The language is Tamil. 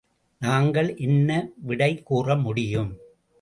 நாங்கள் என்ன விடை கூற முடியும்!